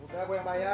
udah gua yang bayar